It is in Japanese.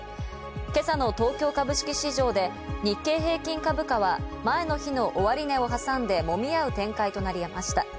今朝の東京株式市場で日経平均株価は前の日の終値を挟んで、もみ合う展開となりました。